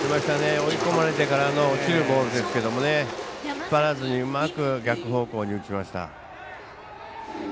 追い込まれてからの落ちるボールですけれども引っ張らずにうまく逆方向に打ちました。